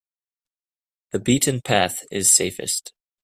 The beaten path is safest.